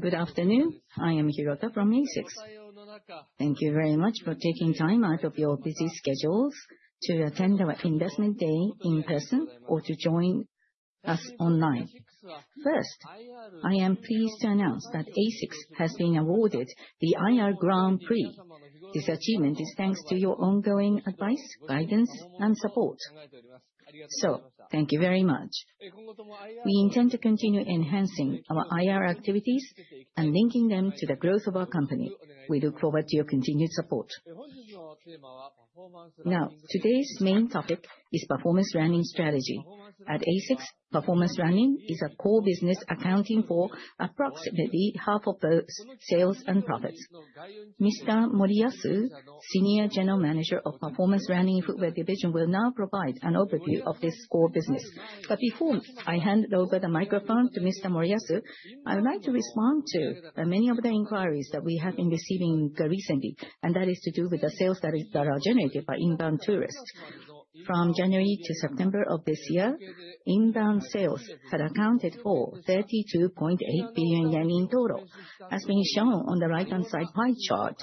Good afternoon. I am Hirota from ASICS. Thank you very much for taking time out of your busy schedules to attend our investment day in person or to join us online. I am pleased to announce that ASICS has been awarded the IR Grand Prix. This achievement is thanks to your ongoing advice, guidance, and support. Thank you very much. We intend to continue enhancing our IR activities and linking them to the growth of our company. We look forward to your continued support. Today's main topic is Performance Running strategy. At ASICS, Performance Running is a core business, accounting for approximately half of both sales and profits. Mr. Moriyasu, Senior General Manager of Performance Running Footwear Division, will now provide an overview of this core business. Before I hand over the microphone to Mr. Moriyasu, I would like to respond to many of the inquiries that we have been receiving recently, and that is to do with the sales that are generated by inbound tourists. From January to September of this year, inbound sales had accounted for 32.8 billion yen in total. As being shown on the right-hand side pie chart,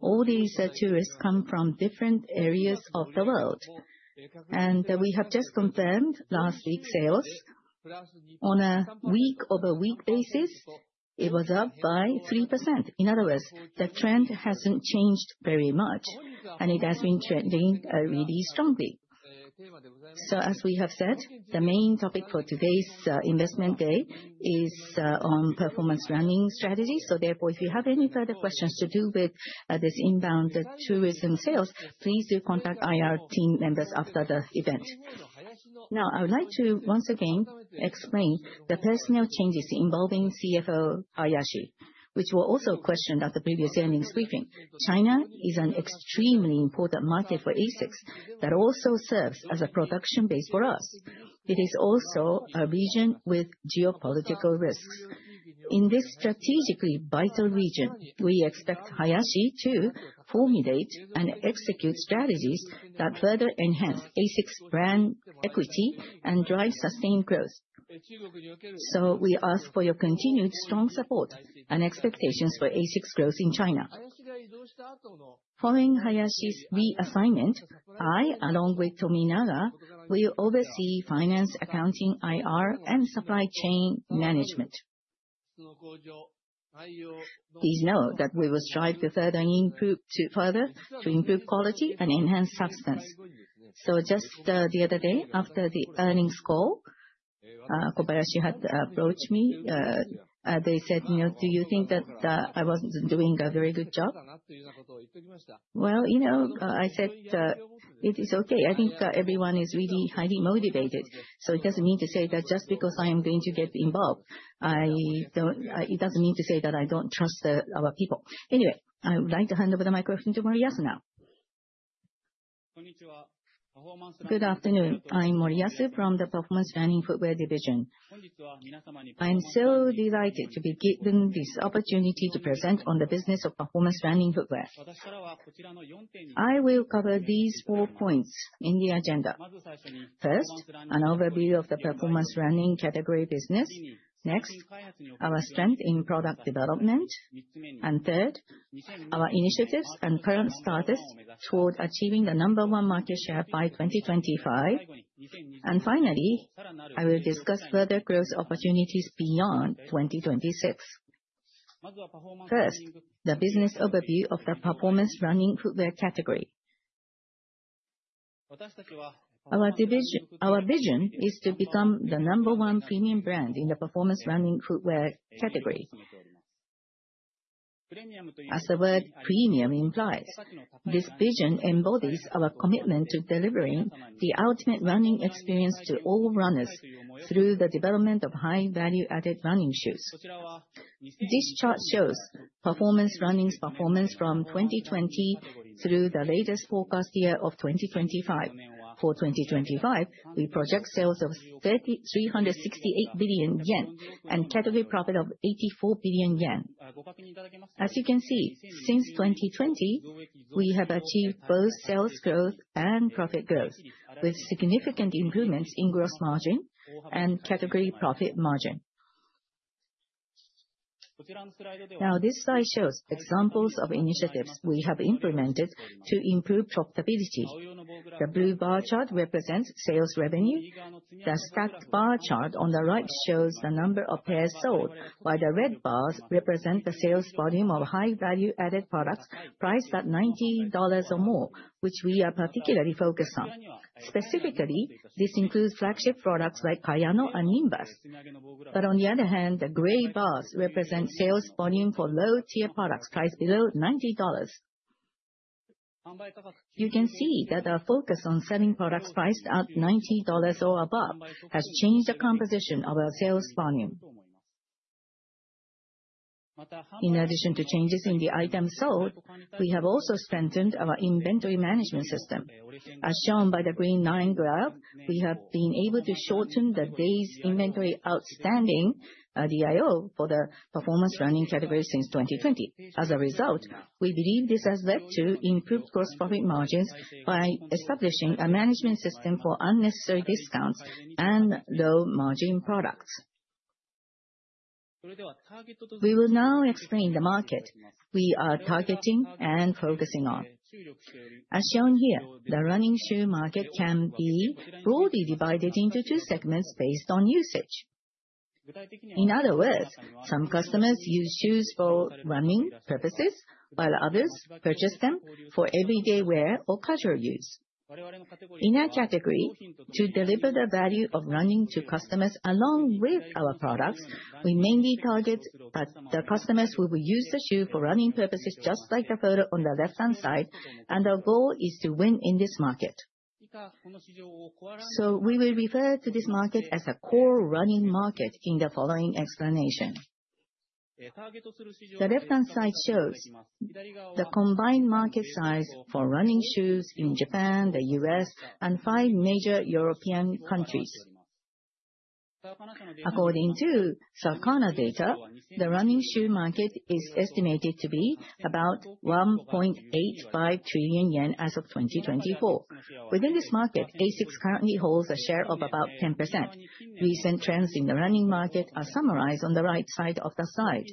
all these tourists come from different areas of the world. We have just confirmed last week's sales. On a week-over-week basis, it was up by 3%. In other words, the trend hasn't changed very much, and it has been trending really strongly. As we have said, the main topic for today's investment day is on Performance Running strategy. If you have any further questions to do with this inbound tourism sales, please do contact IR team members after the event. I would like to once again explain the personnel changes involving CFO Hayashi, which were also questioned at the previous earnings briefing. China is an extremely important market for ASICS that also serves as a production base for us. It is also a region with geopolitical risks. In this strategically vital region, we expect Hayashi to formulate and execute strategies that further enhance ASICS brand equity and drive sustained growth. We ask for your continued strong support and expectations for ASICS growth in China. Following Hayashi's reassignment, I, along with Tominaga, will oversee finance, accounting, IR, and supply chain management. Please know that we will strive to further improve quality and enhance substance. Just the other day, after the earnings call, Kobayashi had approached me. They said, "Do you think that I wasn't doing a very good job?" Well, I said, "It is okay. I think everyone is really highly motivated. It doesn't mean to say that just because I am going to get involved, it doesn't mean to say that I don't trust our people." I would like to hand over the microphone to Moriyasu now. Good afternoon. I'm Moriyasu from the Performance Running Footwear Division. I'm so delighted to be given this opportunity to present on the business of Performance Running footwear. I will cover these 4 points in the agenda. First, an overview of the Performance Running category business. Next, our strength in product development. Third, our initiatives and current status toward achieving the number 1 market share by 2025. Finally, I will discuss further growth opportunities beyond 2026. First, the business overview of the Performance Running footwear category. Our vision is to become the number 1 premium brand in the Performance Running footwear category. As the word premium implies, this vision embodies our commitment to delivering the ultimate running experience to all runners through the development of high value-added running shoes. This chart shows Performance Running's performance from 2020 through the latest forecast year of 2025. For 2025, we project sales of 368 billion yen and category profit of 84 billion yen. As you can see, since 2020, we have achieved both sales growth and profit growth, with significant improvements in gross margin and category profit margin. This slide shows examples of initiatives we have implemented to improve profitability. The blue bar chart represents sales revenue. The stacked bar chart on the right shows the number of pairs sold, while the red bars represent the sales volume of high value-added products priced at $90 or more, which we are particularly focused on. Specifically, this includes flagship products like KAYANO and NIMBUS. On the other hand, the gray bars represent sales volume for low-tier products priced below $90. You can see that our focus on selling products priced at $90 or above has changed the composition of our sales volume. In addition to changes in the items sold, we have also strengthened our inventory management system. As shown by the green line graph, we have been able to shorten the days inventory outstanding, DIO, for the Performance Running category since 2020. As a result, we believe this has led to improved gross profit margins by establishing a management system for unnecessary discounts and low-margin products. We will now explain the market we are targeting and focusing on. As shown here, the running shoe market can be broadly divided into two segments based on usage. In other words, some customers use shoes for running purposes, while others purchase them for everyday wear or casual use. In our category, to deliver the value of running to customers along with our products, we mainly target the customers who will use the shoe for running purposes, just like the photo on the left-hand side, and our goal is to win in this market. We will refer to this market as a core running market in the following explanation. The left-hand side shows the combined market size for running shoes in Japan, the U.S., and five major European countries. According to Circana data, the running shoe market is estimated to be about 1.85 trillion yen as of 2024. Within this market, ASICS currently holds a share of about 10%. Recent trends in the running market are summarized on the right side of the slide.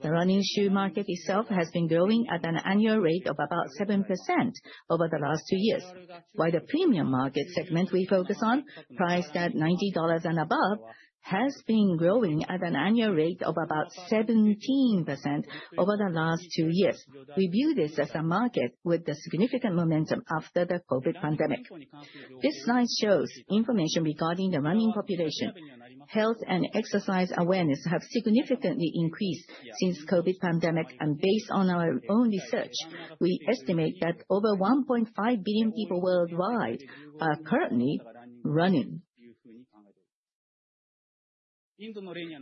The running shoe market itself has been growing at an annual rate of about 7% over the last two years, while the premium market segment we focus on, priced at $90 and above, has been growing at an annual rate of about 17% over the last two years. We view this as a market with significant momentum after the COVID pandemic. This slide shows information regarding the running population. Health and exercise awareness have significantly increased since COVID pandemic, and based on our own research, we estimate that over 1.5 billion people worldwide are currently running.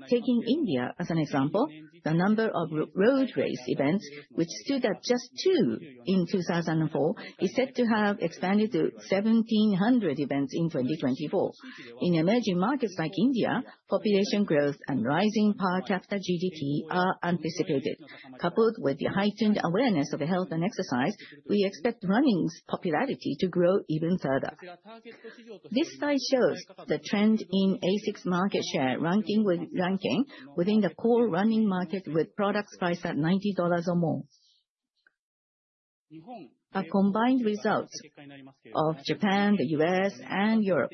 Taking India as an example, the number of road race events, which stood at just two in 2004, is said to have expanded to 1,700 events in 2024. In emerging markets like India, population growth and rising per capita GDP are anticipated. Coupled with the heightened awareness of health and exercise, we expect running's popularity to grow even further. This slide shows the trend in ASICS market share ranking within the core running market, with products priced at $90 or more. A combined result of Japan, the U.S., and Europe.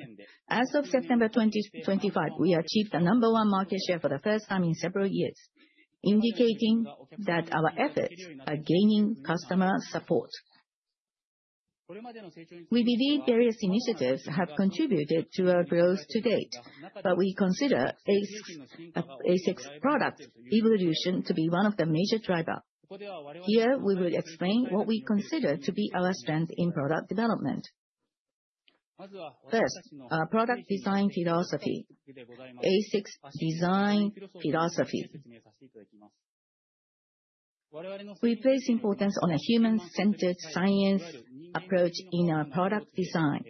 As of September 2025, we achieved the number 1 market share for the first time in several years, indicating that our efforts are gaining customer support. We believe various initiatives have contributed to our growth to date, but we consider ASICS product evolution to be one of the major drivers. Here, we will explain what we consider to be our strength in product development. First, our product design philosophy, ASICS Design Philosophy. We place importance on a human-centered science approach in our product design.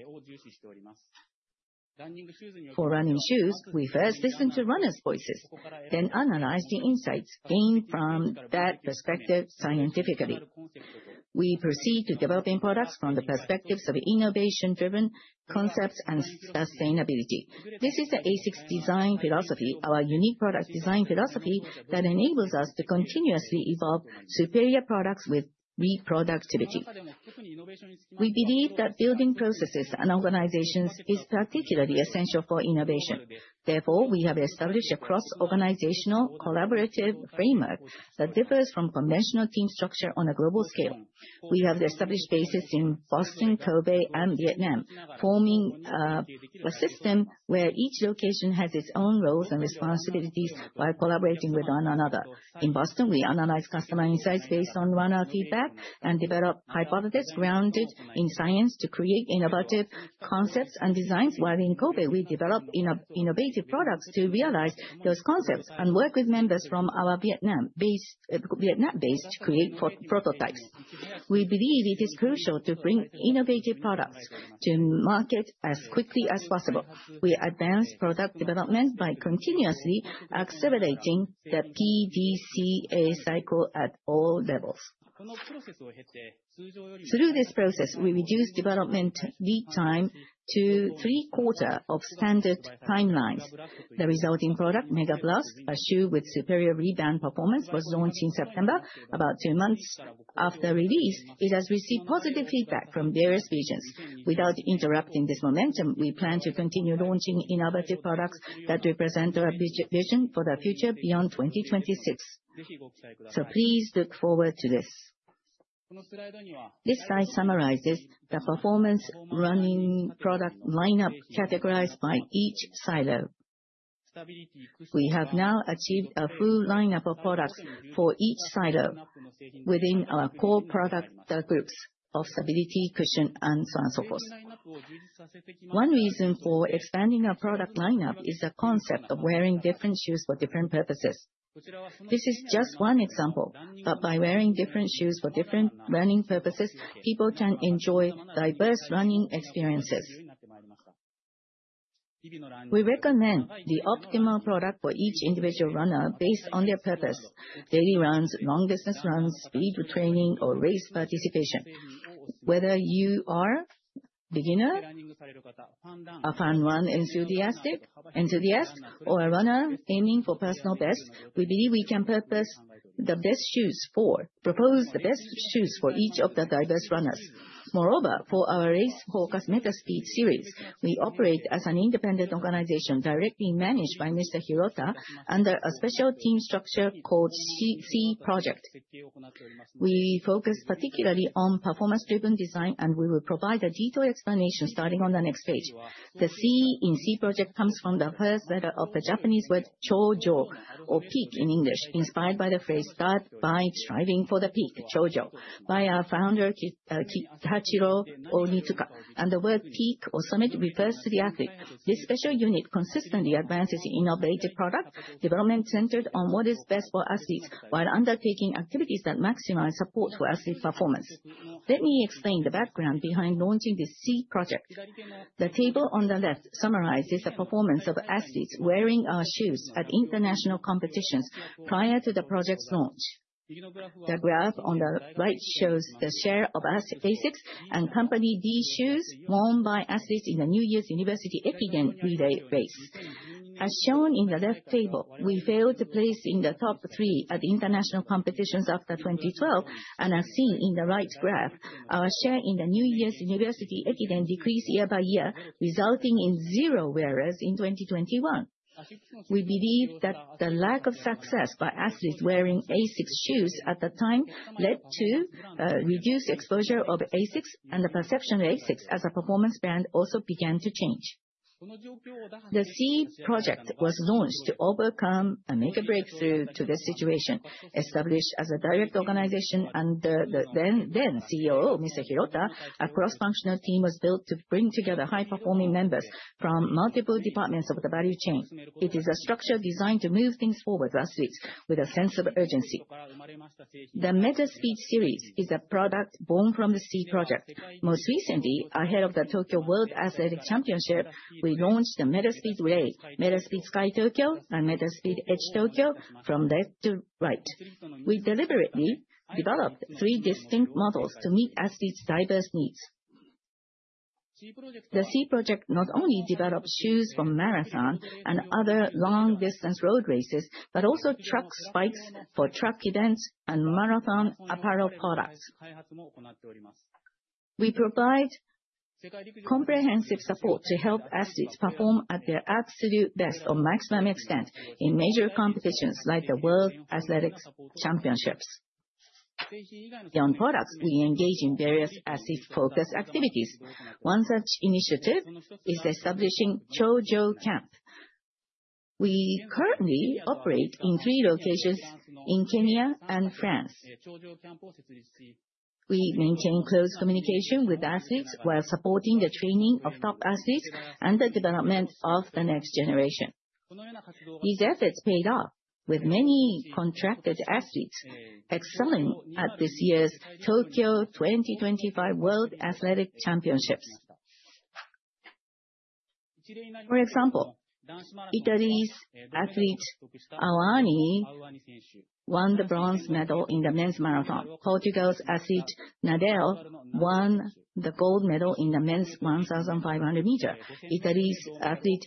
For running shoes, we first listen to runners' voices, then analyze the insights gained from that perspective scientifically. We proceed to developing products from the perspectives of innovation-driven concepts and sustainability. This is the ASICS Design Philosophy, our unique product design philosophy that enables us to continuously evolve superior products with reproducibility. We believe that building processes and organizations is particularly essential for innovation. Therefore, we have established a cross-organizational collaborative framework that differs from conventional team structure on a global scale. We have established bases in Boston, Kobe, and Vietnam, forming a system where each location has its own roles and responsibilities by collaborating with one another. In Boston, we analyze customer insights based on runner feedback and develop hypotheses grounded in science to create innovative concepts and designs. While in Kobe, we develop innovative products to realize those concepts and work with members from our Vietnam base to create prototypes. We believe it is crucial to bring innovative products to market as quickly as possible. We advance product development by continuously accelerating the PDCA cycle at all levels. Through this process, we reduce development lead time to three-quarters of standard timelines. The resulting product, MEGABLAST, a shoe with superior rebound performance, was launched in September. About two months after release, it has received positive feedback from various regions. Without interrupting this momentum, we plan to continue launching innovative products that represent our vision for the future beyond 2026. Please look forward to this. This slide summarizes the performance running product lineup categorized by each silo. We have now achieved a full lineup of products for each silo within our core product groups of stability, cushion, and so on, so forth. One reason for expanding our product lineup is the concept of wearing different shoes for different purposes. This is just one example, but by wearing different shoes for different running purposes, people can enjoy diverse running experiences. We recommend the optimal product for each individual runner based on their purpose: daily runs, long-distance runs, speed training, or race participation. Whether you are a beginner A fun run enthusiast, or a runner aiming for personal best, we believe we can propose the best shoes for each of the diverse runners. Moreover, for our race-focused METASPEED series, we operate as an independent organization directly managed by Mr. Hirota under a special team structure called C-PROJECT. We focus particularly on performance-driven design, and we will provide a detailed explanation starting on the next page. The C in C-PROJECT comes from the first letter of the Japanese word "choujou," or "peak" in English, inspired by the phrase "Start by striving for the peak, choujou," by our founder, Kihachiro Onitsuka. The word peak or summit refers to the athlete. This special unit consistently advances innovative product development centered on what is best for athletes, while undertaking activities that maximize support for athlete performance. Let me explain the background behind launching the C-PROJECT. The table on the left summarizes the performance of athletes wearing our shoes at international competitions prior to the project's launch. The graph on the right shows the share of ASICS and company D shoes worn by athletes in the New Year University Ekiden relay race. As shown in the left table, we failed to place in the top three at international competitions after 2012, and as seen in the right graph, our share in the New Year University Ekiden decreased year by year, resulting in 0 wearers in 2021. We believe that the lack of success by athletes wearing ASICS shoes at the time led to a reduced exposure of ASICS, and the perception of ASICS as a performance brand also began to change. The C-PROJECT was launched to overcome and make a breakthrough to this situation. Established as a direct organization under the then COO, Mr. Hirota, a cross-functional team was built to bring together high-performing members from multiple departments of the value chain. It is a structure designed to move things forward rapidly with a sense of urgency. The METASPEED series is a product born from the C-PROJECT. Most recently, ahead of the World Athletics Championships Tokyo 25, we launched the METASPEED Sky, METASPEED Sky Tokyo, and METASPEED Edge Tokyo from left to right. We deliberately developed three distinct models to meet athletes' diverse needs. The C-PROJECT not only develops shoes for marathon and other long-distance road races, but also track spikes for track events and marathon apparel products. We provide comprehensive support to help athletes perform at their absolute best or maximum extent in major competitions like the World Athletics Championships. Beyond products, we engage in various athlete-focused activities. One such initiative is establishing Chojo Camp. We currently operate in three locations in Kenya and France. We maintain close communication with athletes while supporting the training of top athletes and the development of the next generation. These efforts paid off with many contracted athletes excelling at this year's World Athletics Championships Tokyo 25. For example, Italy's athlete Awani won the bronze medal in the men's marathon. Portugal's athlete Nadale won the gold medal in the men's 1,500 meter. Italy's athlete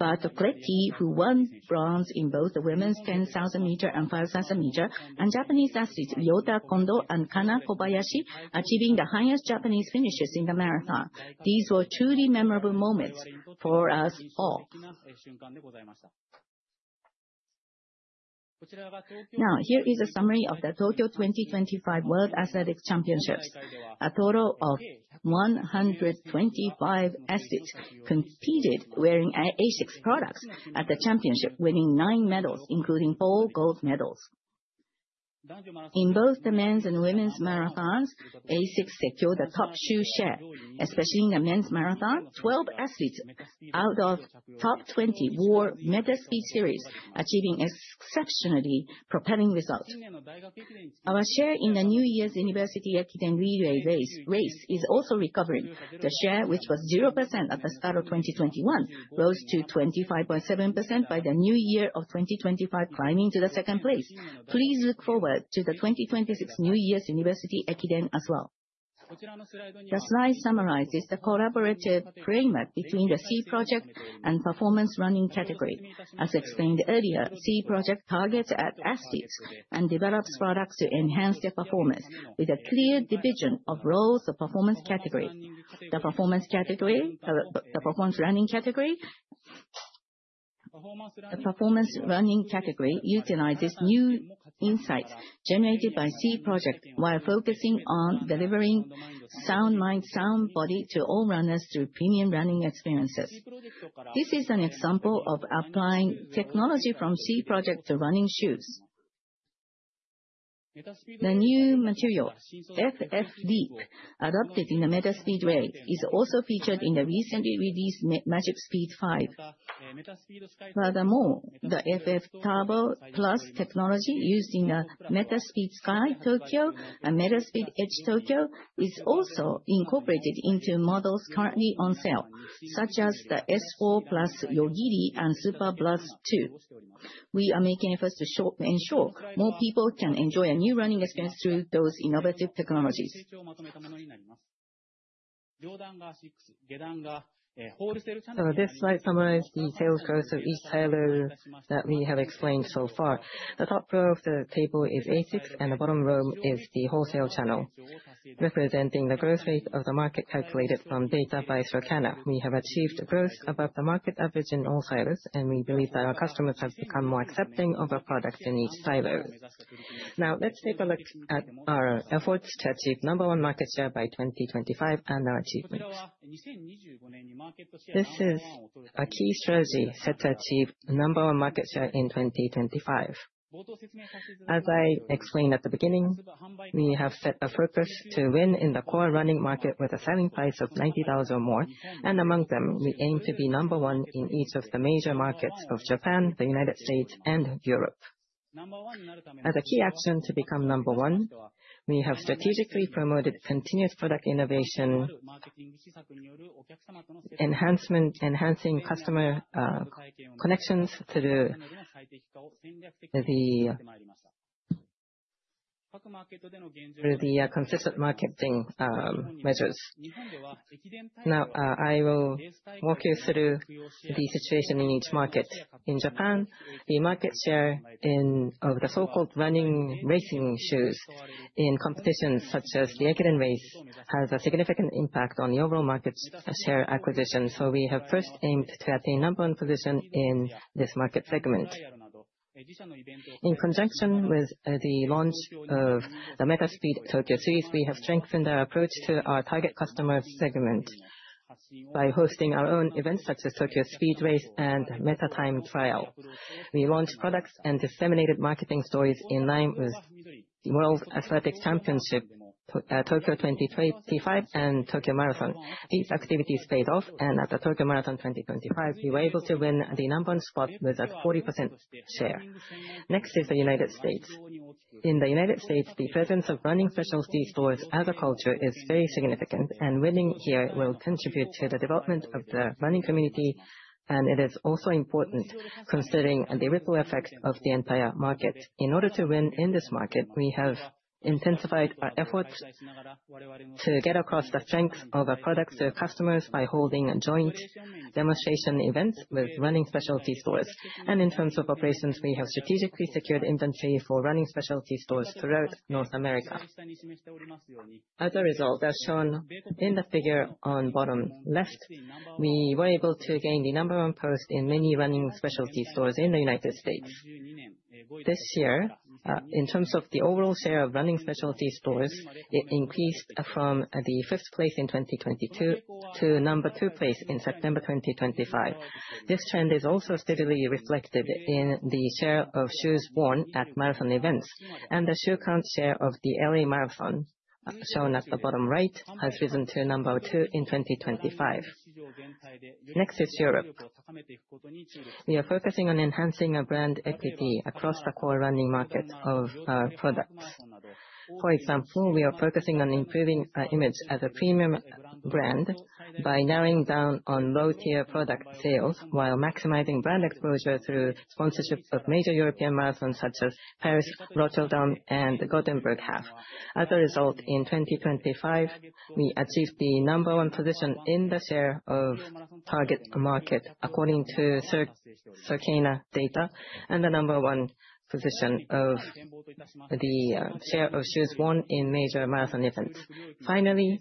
Bartocletti, who won bronze in both the women's 10,000 meter and 5,000 meter, and Japanese athletes Yota Kondo and Kana Kobayashi achieving the highest Japanese finishes in the marathon. These were truly memorable moments for us all. Here is a summary of the World Athletics Championships Tokyo 25. A total of 125 athletes competed wearing ASICS products at the championship, winning 9 medals, including 4 gold medals. In both the men's and women's marathons, ASICS secured the top shoe share, especially in the men's marathon. 12 athletes out of the top 20 wore METASPEED series, achieving exceptionally propelling results. Our share in the New Year University Ekiden relay race is also recovering. The share, which was 0% at the start of 2021, rose to 25.7% by the new year of 2025, climbing to the second place. Please look forward to the 2026 New Year University Ekiden as well. The slide summarizes the collaborative framework between the C-PROJECT and Performance Running category. As explained earlier, C-PROJECT targets at athletes and develops products to enhance their performance with a clear division of roles of Performance Running category. The Performance Running category utilizes new insights generated by C-PROJECT while focusing on delivering sound mind, sound body to all runners through premium running experiences. This is an example of applying technology from C-PROJECT to running shoes. The new material, FF BLAST, adopted in the METASPEED Sky, is also featured in the recently released MAGIC SPEED 5. Furthermore, the FF TURBO PLUS technology used in the METASPEED Sky Tokyo and METASPEED Edge Tokyo is also incorporated into models currently on sale, such as the S4+ YOGIRI and SUPERBLAST 2. We are making efforts to ensure more people can enjoy a new running experience through those innovative technologies. This slide summarizes the sales growth of each silo that we have explained so far. The top row of the table is ASICS, and the bottom row is the wholesale channel, representing the growth rate of the market calculated from data by Circana. We have achieved growth above the market average in all silos, and we believe that our customers have become more accepting of our products in each silo. Now, let's take a look at our efforts to achieve number one market share by 2025 and our achievements. This is a key strategy set to achieve number one market share in 2025. As I explained at the beginning, we have set a focus to win in the core running market with a selling price of $90 or more, and among them, we aim to be number one in each of the major markets of Japan, the U.S., and Europe. As a key action to become number one, we have strategically promoted continuous product innovation, enhancing customer connections through the consistent marketing measures. I will walk you through the situation in each market. In Japan, the market share of the so-called running racing shoes in competitions such as the Ekiden race has a significant impact on the overall market share acquisition. We have first aimed to attain number one position in this market segment. In conjunction with the launch of the METASPEED TOKYO series, we have strengthened our approach to our target customer segment by hosting our own events such as Tokyo: Speed: Race and META: Time: Trials. We launched products and disseminated marketing stories in line with World Athletics Championships Tokyo 25 and Tokyo Marathon. These activities paid off, and at the Tokyo Marathon 2025, we were able to win the number 1 spot with a 40% share. Next is the U.S. In the U.S., the presence of running specialty stores as a culture is very significant, and winning here will contribute to the development of the running community, and it is also important considering the ripple effect of the entire market. In order to win in this market, we have intensified our efforts to get across the strength of our products to customers by holding joint demonstration events with running specialty stores. In terms of operations, we have strategically secured inventory for running specialty stores throughout North America. As a result, as shown in the figure on bottom left, we were able to gain the number 1 post in many running specialty stores in the U.S. This year, in terms of the overall share of running specialty stores, it increased from the fifth place in 2022 to number 2 place in September 2025. This trend is also steadily reflected in the share of shoes worn at marathon events, and the shoe count share of the L.A. Marathon, shown at the bottom right, has risen to number 2 in 2025. Next is Europe. We are focusing on enhancing our brand equity across the core running market of our products. For example, we are focusing on improving our image as a premium brand by narrowing down on low-tier product sales, while maximizing brand exposure through sponsorships of major European marathons such as Paris, Rotterdam, and the Gothenburg Half. As a result, in 2025, we achieved the number 1 position in the share of target market, according to Circana data, and the number 1 position of the share of shoes worn in major marathon events. Finally,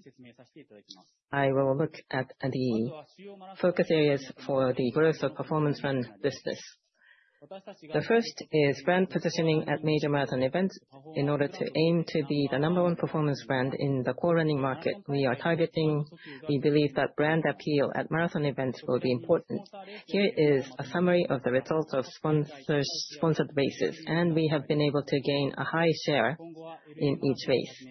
I will look at the focus areas for the growth of performance run business. The first is brand positioning at major marathon events. In order to aim to be the number 1 performance brand in the core running market we are targeting, we believe that brand appeal at marathon events will be important. Here is a summary of the results of sponsored races, and we have been able to gain a high share in each race.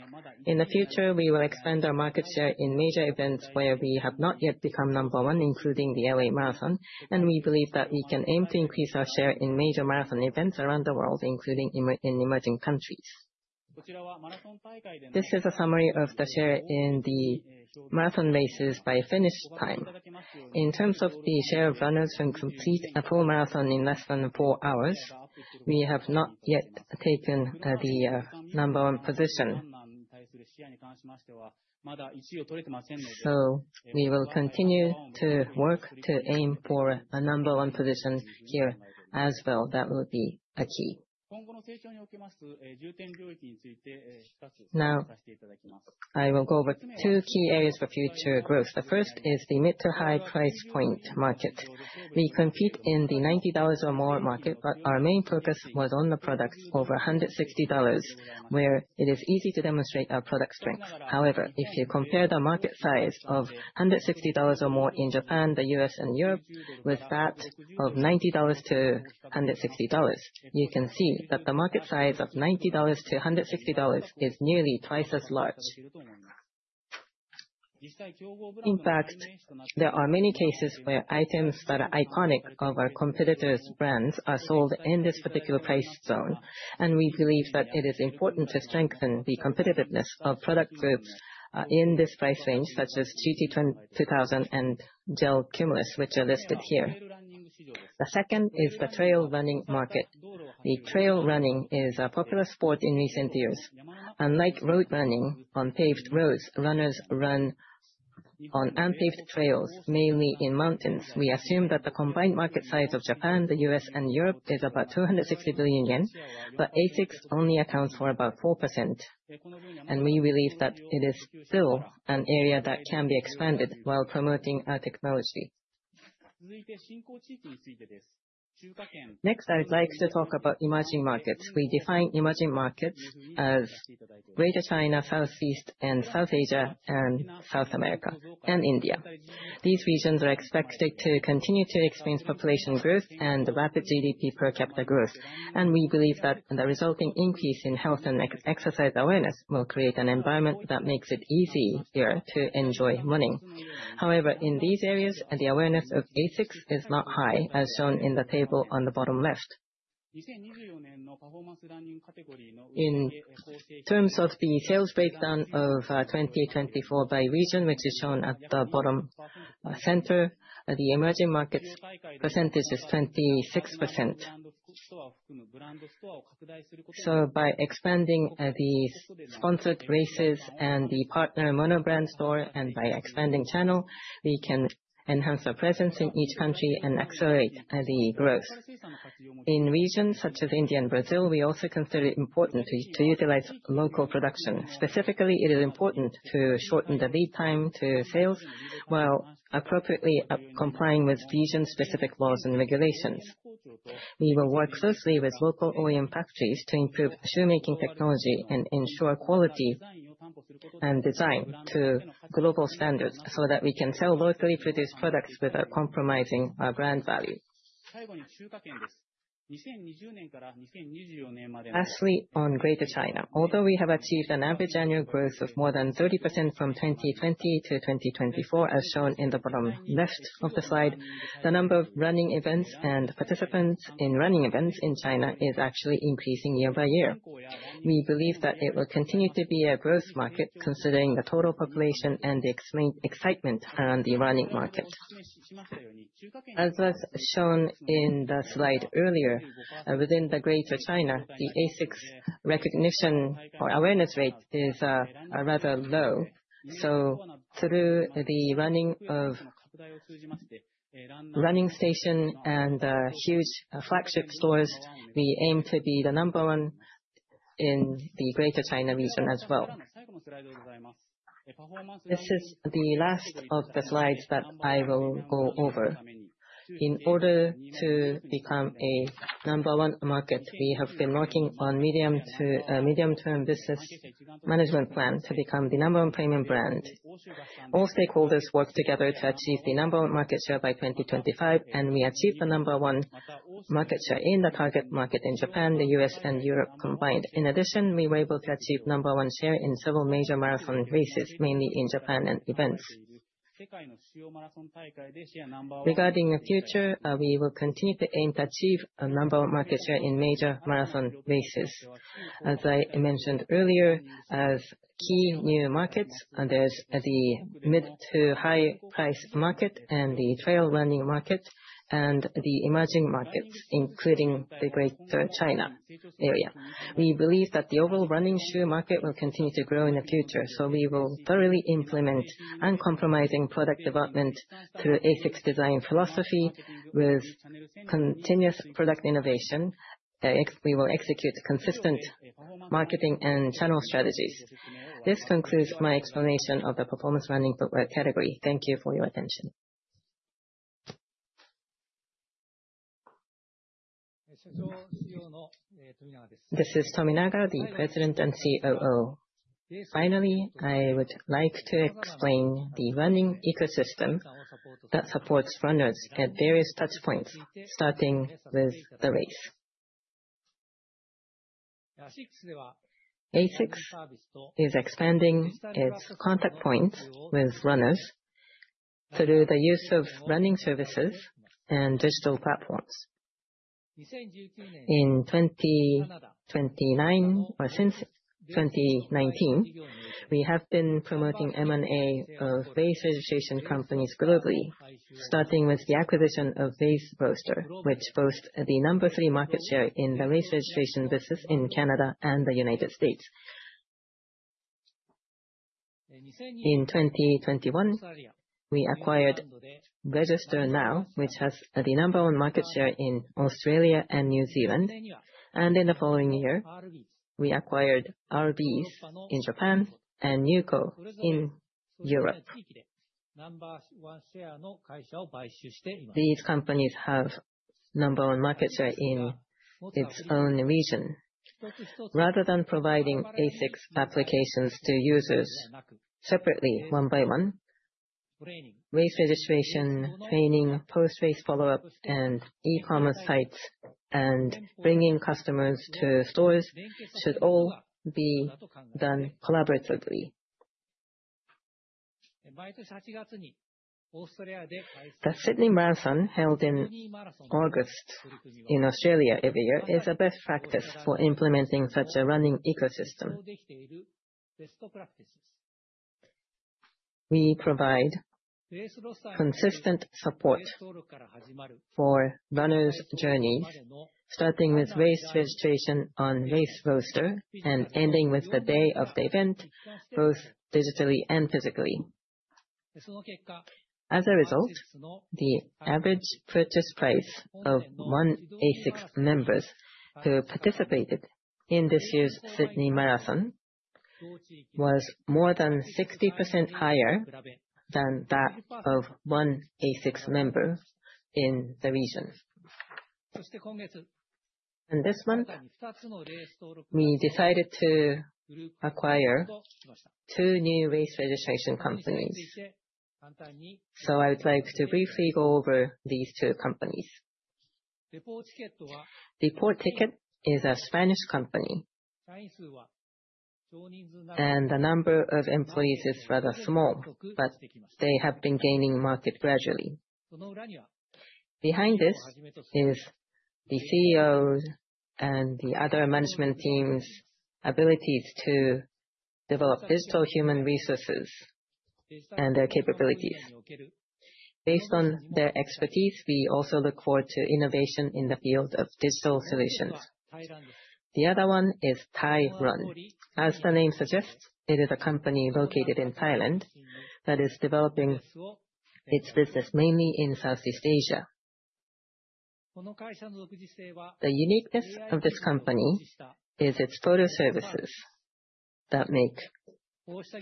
In the future, we will expand our market share in major events where we have not yet become number 1, including the L.A. Marathon, and we believe that we can aim to increase our share in major marathon events around the world, including in emerging countries. This is a summary of the share in the marathon races by finish time. In terms of the share of runners who complete a full marathon in less than four hours, we have not yet taken the number 1 position. We will continue to work to aim for a number 1 position here as well. That will be a key. I will go over two key areas for future growth. The first is the mid to high price point market. We compete in the $90 or more market, but our main focus was on the products over $160, where it is easy to demonstrate our product strength. If you compare the market size of $160 or more in Japan, the U.S., and Europe, with that of $90 to $160, you can see that the market size of $90 to $160 is nearly twice as large. In fact, there are many cases where items that are iconic of our competitors' brands are sold in this particular price zone, and we believe that it is important to strengthen the competitiveness of product groups in this price range, such as GT-2000 and GEL-CUMULUS, which are listed here. The second is the trail running market. Trail running is a popular sport in recent years. Unlike road running on paved roads, runners run on unpaved trails, mainly in mountains. We assume that the combined market size of Japan, the U.S., and Europe is about 260 billion yen, but ASICS only accounts for about 4%, and we believe that it is still an area that can be expanded while promoting our technology. Next, I would like to talk about emerging markets. We define emerging markets as Greater China, Southeast and South Asia, and South America and India. These regions are expected to continue to experience population growth and rapid GDP per capita growth. We believe that the resulting increase in health and exercise awareness will create an environment that makes it easier to enjoy running. In these areas, the awareness of ASICS is not high, as shown in the table on the bottom left. In terms of the sales breakdown of 2024 by region, which is shown at the bottom center, the emerging markets percentage is 26%. By expanding the sponsored races and the partner mono-brand store, and by expanding channels, we can enhance our presence in each country and accelerate the growth. In regions such as India and Brazil, we also consider it important to utilize local production. Specifically, it is important to shorten the lead time to sales while appropriately complying with region-specific laws and regulations. We will work closely with local OEM factories to improve shoemaking technology and ensure quality and design to global standards, so that we can sell locally produced products without compromising our brand value. Lastly, on Greater China. Although we have achieved an average annual growth of more than 30% from 2020 to 2024, as shown in the bottom left of the slide, the number of running events and participants in running events in China is actually increasing year by year. We believe that it will continue to be a growth market considering the total population and the excitement around the running market. As was shown in the slide earlier, within Greater China, the ASICS recognition or awareness rate is rather low. Through the running of running stations and huge flagship stores, we aim to be the number one in the Greater China region as well. This is the last of the slides that I will go over. In order to become a number one market, we have been working on a medium-term business management plan to become the number one premium brand. All stakeholders work together to achieve the number one market share by 2025, and we achieved the number one market share in the target market in Japan, the U.S., and Europe combined. In addition, we were able to achieve number one share in several major marathon races, mainly in Japan, and events. Regarding the future, we will continue to aim to achieve a number one market share in major marathon races. As I mentioned earlier, as key new markets, there is the mid- to high-price market and the trail running market and the emerging markets, including the Greater China area. We believe that the overall running shoe market will continue to grow in the future, we will thoroughly implement uncompromising product development through ASICS Design Philosophy with continuous product innovation. We will execute consistent marketing and channel strategies. This concludes my explanation of the Performance Running Footwear category. Thank you for your attention. This is Tominaga, the President and COO. Finally, I would like to explain the running ecosystem that supports runners at various touch points, starting with the race. ASICS is expanding its contact points with runners through the use of running services and digital platforms. Since 2019, we have been promoting M&A of race registration companies globally, starting with the acquisition of Race Roster, which boasts the number three market share in the race registration business in Canada and the U.S. In 2021, we acquired Register Now, which has the number one market share in Australia and New Zealand, and in the following year, we acquired R-bies in Japan and njuko in Europe. These companies have number one market share in its own region. Rather than providing ASICS applications to users separately one by one, race registration, training, post-race follow-ups, and e-commerce sites and bringing customers to stores should all be done collaboratively. The Sydney Marathon, held in August in Australia every year, is a best practice for implementing such a running ecosystem. We provide consistent support for runners' journeys, starting with race registration on Race Roster and ending with the day of the event, both digitally and physically. As a result, the average purchase price of OneASICS members who participated in this year's Sydney Marathon was more than 60% higher than that of OneASICS members in the region. This month, we decided to acquire two new race registration companies. I would like to briefly go over these two companies. Deporticket is a Spanish company, and the number of employees is rather small, but they have been gaining market gradually. Behind this is the CEO's and the other management team's abilities to develop digital human resources and their capabilities. Based on their expertise, we also look forward to innovation in the field of digital solutions. The other one is Thairun. As the name suggests, it is a company located in Thailand that is developing its business mainly in Southeast Asia. The uniqueness of this company is its total services that make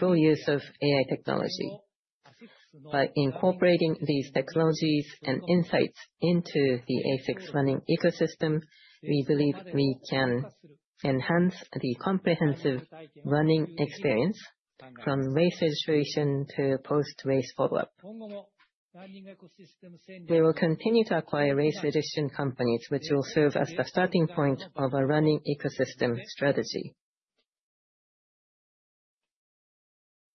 full use of AI technology. By incorporating these technologies and insights into the ASICS running ecosystem, we believe we can enhance the comprehensive running experience from race registration to post-race follow-up. We will continue to acquire race registration companies, which will serve as the starting point of a running ecosystem strategy.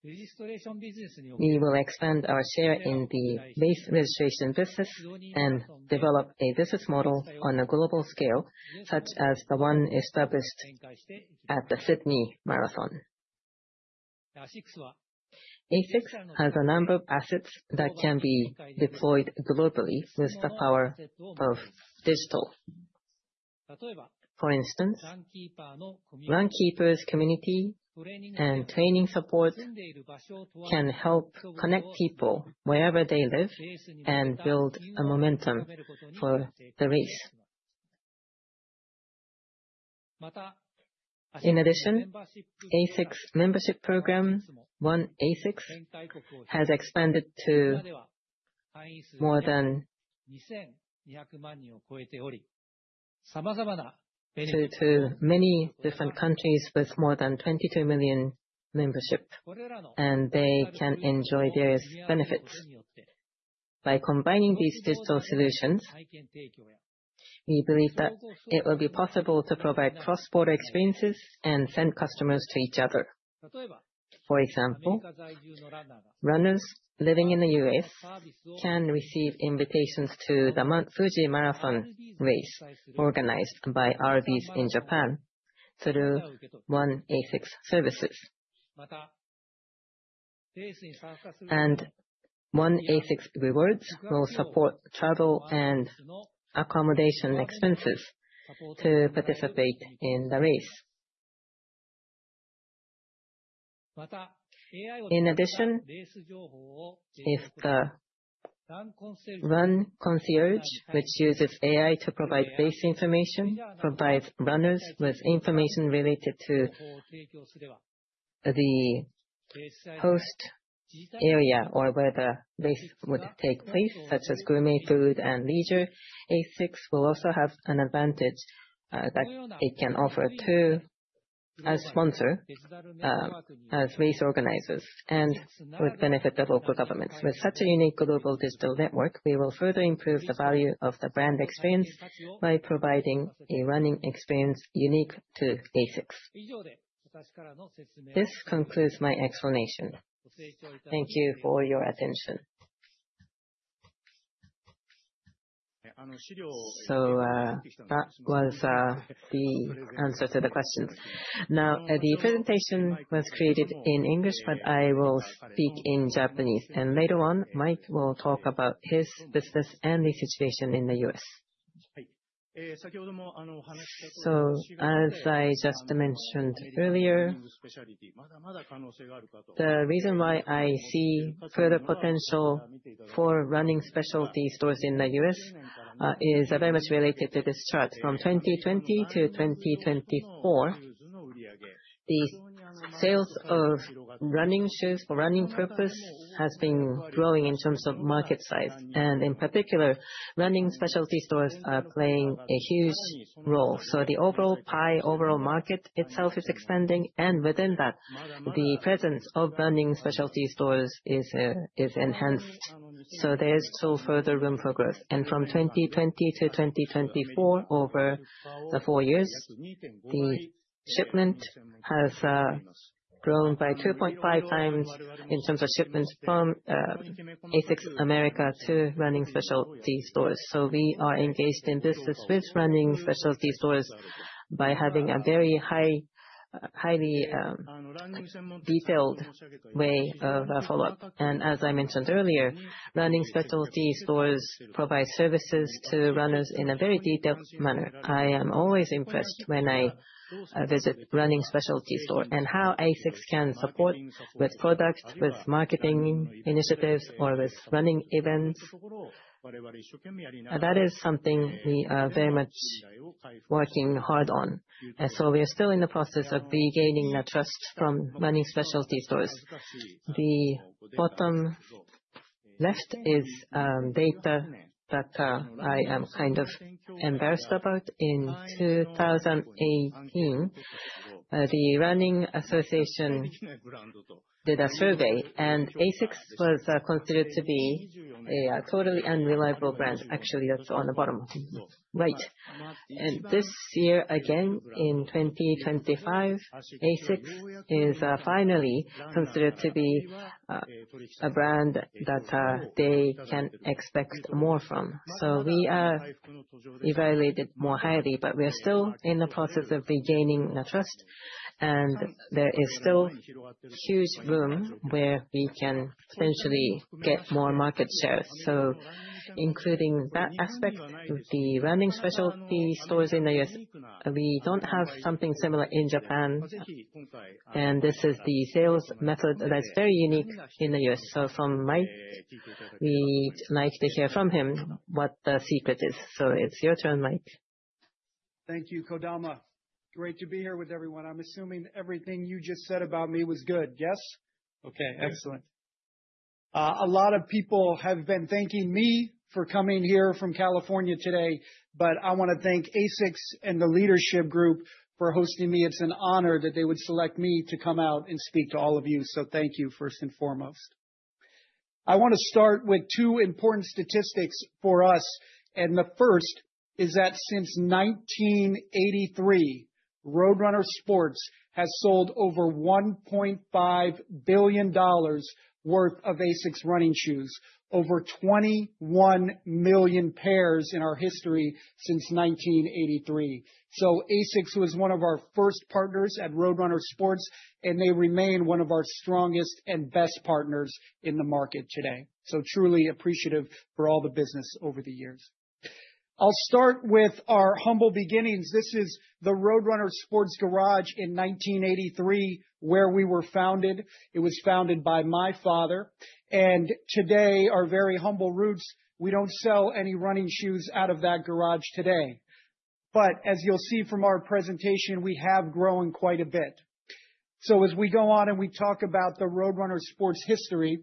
We will expand our share in the race registration business and develop a business model on a global scale, such as the one established at the Sydney Marathon. ASICS has a number of assets that can be deployed globally with the power of digital. For instance, Runkeeper's community and training support can help connect people wherever they live and build a momentum for the race. In addition, ASICS membership program, ONE ASICS, has expanded to many different countries with more than 22 million membership, and they can enjoy various benefits. By combining these digital solutions, we believe that it will be possible to provide cross-border experiences and send customers to each other. For example, runners living in the U.S. can receive invitations to the Mount Fuji Marathon race organized by R-bies in Japan through ONE ASICS services. ONE ASICS Rewards will support travel and accommodation expenses to participate in the race. In addition, if the Run Concierge, which uses AI to provide race information, provides runners with information related to the host area or where the race would take place, such as gourmet food and leisure, ASICS will also have an advantage that it can offer to a sponsor, as race organizers and would benefit the local governments. With such a unique global digital network, we will further improve the value of the brand experience by providing a running experience unique to ASICS. This concludes my explanation. Thank you for your attention. That was the answer to the questions. Now, the presentation was created in English, but I will speak in Japanese, and later on, Mike will talk about his business and the situation in the U.S. As I just mentioned earlier, the reason why I see further potential for running specialty stores in the U.S. is very much related to this chart. From 2020 to 2024, the sales of running shoes for running purpose has been growing in terms of market size, and in particular, running specialty stores are playing a huge role. The overall pie, overall market itself is expanding, and within that, the presence of running specialty stores is enhanced. There's still further room for growth. From 2020 to 2024, over the four years, the shipment has grown by 2.5 times in terms of shipments from ASICS America to running specialty stores. We are engaged in business with running specialty stores by having a very highly detailed way of our follow-up. As I mentioned earlier, running specialty stores provide services to runners in a very detailed manner. I am always impressed when I visit running specialty store and how ASICS can support with product, with marketing initiatives, or with running events. That is something we are very much working hard on. We are still in the process of regaining the trust from running specialty stores. The bottom left is data that I am kind of embarrassed about. In 2018, the Running Association did a survey, and ASICS was considered to be a totally unreliable brand. Actually, that's on the bottom right. This year, again, in 2025, ASICS is finally considered to be a brand that they can expect more from. We are evaluated more highly, but we are still in the process of regaining the trust, and there is still huge room where we can potentially get more market share. Including that aspect, the running specialty stores in the U.S., we don't have something similar in Japan. This is the sales method that's very unique in the U.S. From Mike, we'd like to hear from him what the secret is. It's your turn, Mike. Thank you, Kodama. Great to be here with everyone. I'm assuming everything you just said about me was good. Yes? Okay, excellent. A lot of people have been thanking me for coming here from California today, but I want to thank ASICS and the leadership group for hosting me. It's an honor that they would select me to come out and speak to all of you. Thank you, first and foremost. I want to start with two important statistics for us. The first is that since 1983, Road Runner Sports has sold over $1.5 billion worth of ASICS running shoes. Over 21 million pairs in our history since 1983. ASICS was one of our first partners at Road Runner Sports, and they remain one of our strongest and best partners in the market today. Truly appreciative for all the business over the years. I'll start with our humble beginnings. This is the Road Runner Sports garage in 1983, where we were founded. It was founded by my father, and today, our very humble roots, we don't sell any running shoes out of that garage today. As you'll see from our presentation, we have grown quite a bit. As we go on and we talk about the Road Runner Sports history,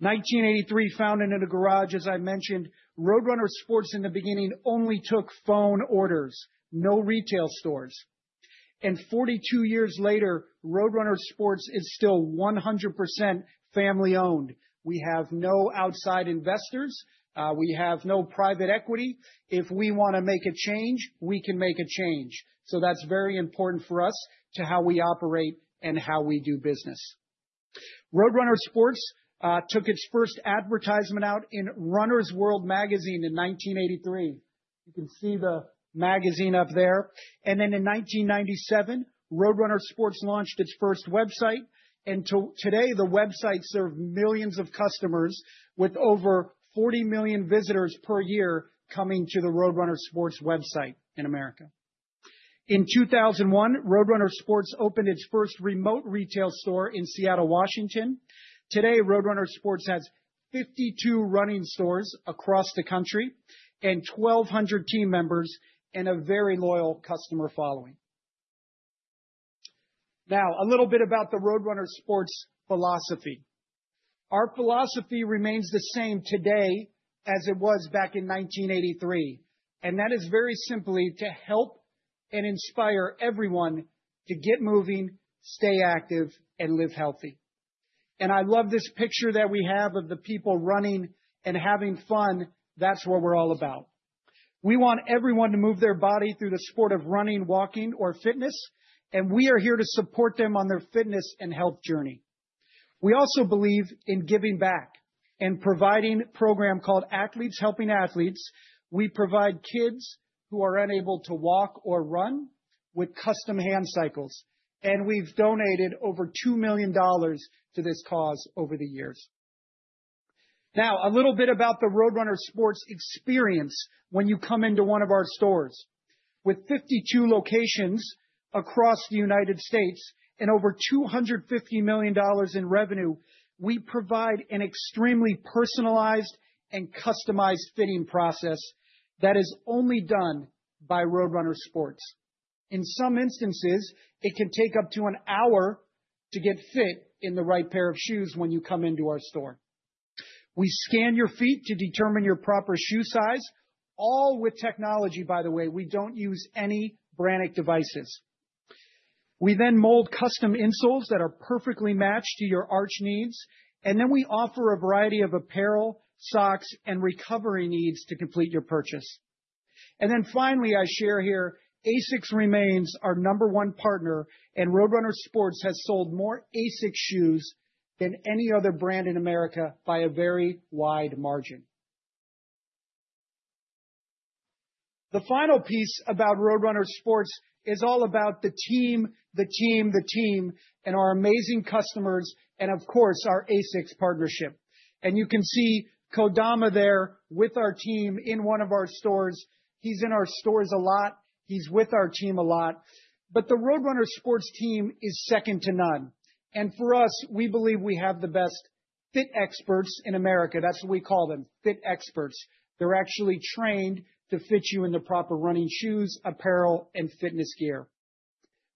1983, founded in a garage, as I mentioned. Road Runner Sports, in the beginning, only took phone orders, no retail stores. 42 years later, Road Runner Sports is still 100% family-owned. We have no outside investors. We have no private equity. If we want to make a change, we can make a change. That's very important for us to how we operate and how we do business. Road Runner Sports took its first advertisement out in Runner's World Magazine in 1983. You can see the magazine up there. In 1997, Road Runner Sports launched its first website, and today, the website serve millions of customers with over 40 million visitors per year coming to the Road Runner Sports website in America. In 2001, Road Runner Sports opened its first remote retail store in Seattle, Washington. Today, Road Runner Sports has 52 running stores across the country and 1,200 team members and a very loyal customer following. A little bit about the Road Runner Sports philosophy. Our philosophy remains the same today as it was back in 1983, and that is very simply to help and inspire everyone to get moving, stay active, and live healthy. I love this picture that we have of the people running and having fun. That's what we're all about. We want everyone to move their body through the sport of running, walking, or fitness, and we are here to support them on their fitness and health journey. We also believe in giving back and providing a program called Athletes Helping Athletes. We provide kids who are unable to walk or run with custom hand cycles, and we've donated over JPY 2 million to this cause over the years. A little bit about the Road Runner Sports experience when you come into one of our stores. With 52 locations across the United States and over JPY 250 million in revenue, we provide an extremely personalized and customized fitting process that is only done by Road Runner Sports. In some instances, it can take up to an hour to get fit in the right pair of shoes when you come into our store. We scan your feet to determine your proper shoe size, all with technology, by the way. We don't use any Brannock devices. We then mold custom insoles that are perfectly matched to your arch needs. We offer a variety of apparel, socks, and recovery aids to complete your purchase. Finally, I share here, ASICS remains our number one partner. Road Runner Sports has sold more ASICS shoes than any other brand in America by a very wide margin. The final piece about Road Runner Sports is all about the team, the team, the team, and our amazing customers, and of course, our ASICS partnership. You can see Kodama there with our team in one of our stores. He's in our stores a lot. He's with our team a lot. The Road Runner Sports team is second to none. For us, we believe we have the best fit experts in America. That's what we call them, fit experts. They're actually trained to fit you in the proper running shoes, apparel, and fitness gear.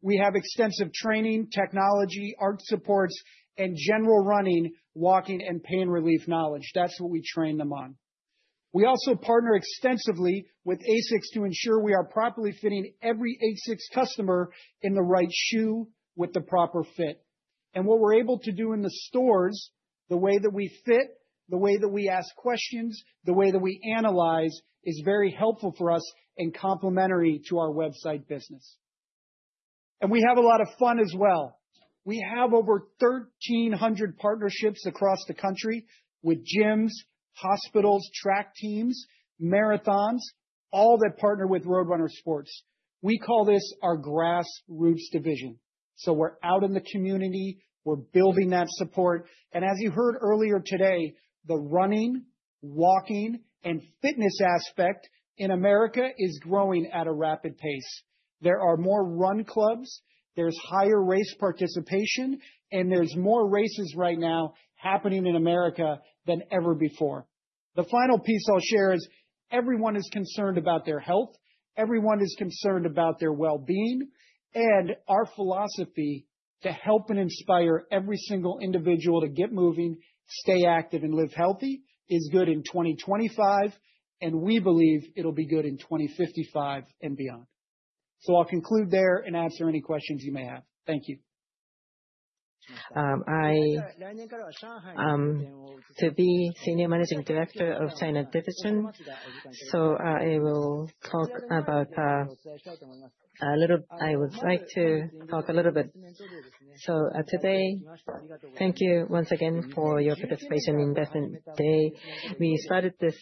We have extensive training, technology, arch supports, and general running, walking, and pain relief knowledge. That's what we train them on. We also partner extensively with ASICS to ensure we are properly fitting every ASICS customer in the right shoe with the proper fit. What we're able to do in the stores, the way that we fit, the way that we ask questions, the way that we analyze, is very helpful for us and complementary to our website business. We have a lot of fun as well. We have over 1,300 partnerships across the country with gyms, hospitals, track teams, marathons, all that partner with Road Runner Sports. We call this our grassroots division. We're out in the community, we're building that support. As you heard earlier today, the running, walking, and fitness aspect in America is growing at a rapid pace. There are more run clubs, there's higher race participation, and there's more races right now happening in America than ever before. The final piece I'll share is everyone is concerned about their health, everyone is concerned about their well-being, and our philosophy to help and inspire every single individual to get moving, stay active, and live healthy is good in 2025, and we believe it'll be good in 2055 and beyond. I'll conclude there and answer any questions you may have. Thank you. To be Senior Managing Director of China Division. I would like to talk a little bit. Today, thank you once again for your participation in Investment Day. We started this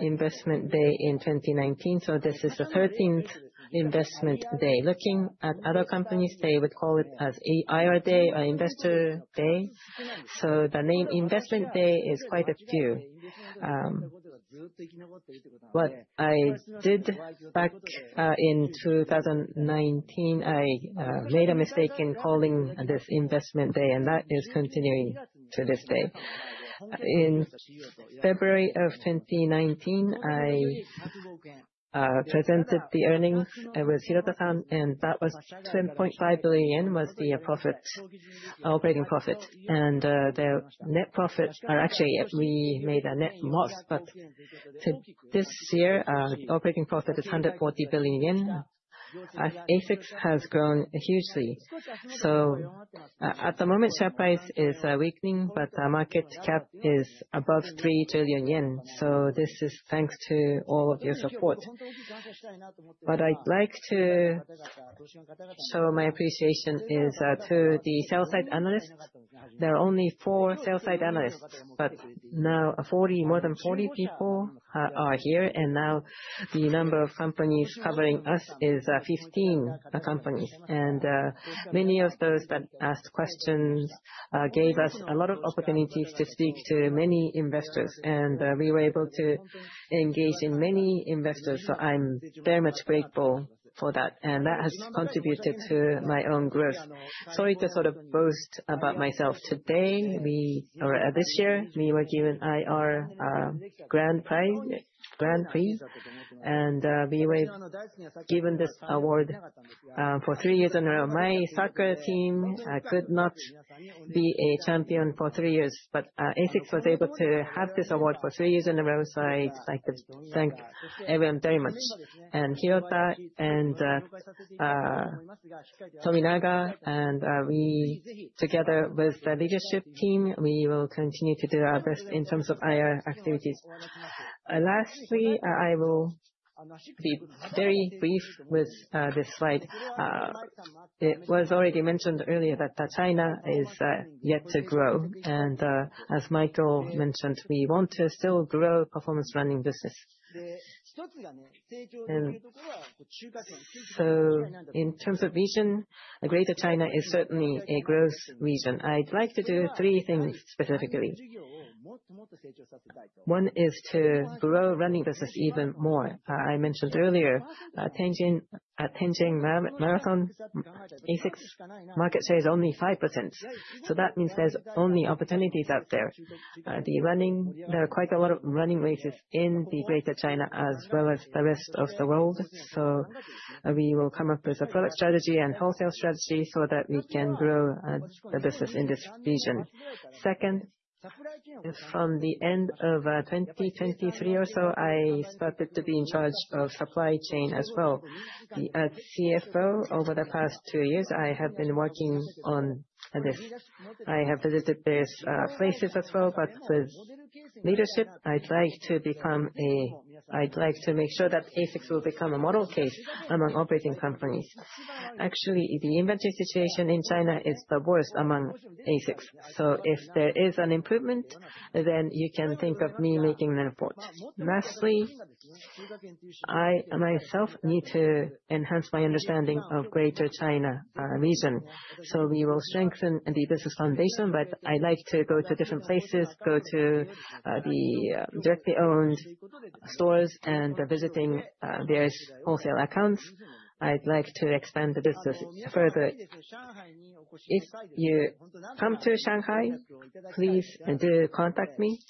Investment Day in 2019, this is the 13th Investment Day. Looking at other companies, they would call it as IR Day or Investor Day. The name Investment Day is quite a few. What I did back in 2019, I made a mistake in calling this Investment Day, and that is continuing to this day. In February of 2019, I presented the earnings with Hirota, and that was 10.5 billion yen was the operating profit. The net profit, or actually, we made a net loss. This year, operating profit is 140 billion yen. ASICS has grown hugely. At the moment, share price is weakening, the market cap is above 3 trillion yen. This is thanks to all of your support. What I'd like to show my appreciation is to the sell-side analysts. There are only four sell-side analysts, but now more than 40 people are here, and now the number of companies covering us is 15 companies. Many of those that asked questions gave us a lot of opportunities to speak to many investors, and we were able to engage in many investors. I'm very much grateful for that. That has contributed to my own growth. Sorry to sort of boast about myself. Today, or this year, we were given IR Grand Prix, and we were given this award for three years in a row. My soccer team could not be a champion for three years, ASICS was able to have this award for three years in a row, I'd like to thank everyone very much. Hirota and Tominaga, and we together with the leadership team, we will continue to do our best in terms of IR activities. Lastly, I will be very brief with this slide. It was already mentioned earlier that China is yet to grow. As Michael mentioned, we want to still grow performance running business. In terms of region, Greater China is certainly a growth region. I'd like to do three things specifically. One is to grow running business even more. I mentioned earlier, Tianjin Marathon, ASICS market share is only 5%. That means there's only opportunities out there. There are quite a lot of running races in Greater China as well as the rest of the world. We will come up with a product strategy and wholesale strategy so that we can grow the business in this region. Second, from the end of 2023 or so, I started to be in charge of supply chain as well. As CFO, over the past two years, I have been working on this. I have visited these places as well, with leadership, I'd like to make sure that ASICS will become a model case among operating companies. Actually, the inventory situation in China is the worst among ASICS. If there is an improvement, you can think of me making that report. Lastly, I myself need to enhance my understanding of Greater China region. We will strengthen the business foundation, but I like to go to different places, go to the directly owned stores, and visiting their wholesale accounts. I'd like to expand the business further. If you come to Shanghai, please do contact me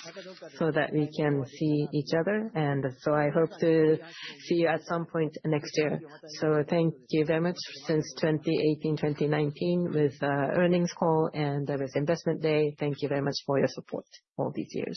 so that we can see each other. I hope to see you at some point next year. Thank you very much. Since 2018, 2019, with earnings call and with Investment Day, thank you very much for your support all these years